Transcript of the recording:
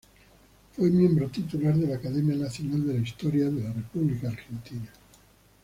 Fue miembro titular de la Academia Nacional de la Historia de la República Argentina.